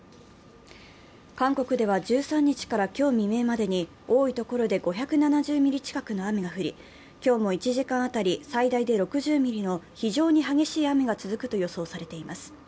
韓国では１３日から今日未明までに多いところで５７０ミリ近くの雨が降り今日も１時間当たり最大で６０ミリの非常に激しい雨が続くと予想されています。